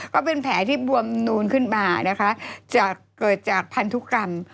ก็เป็นแผลที่บวมนูนขึ้นมานะคะจะเกิดจากพันธุกรรม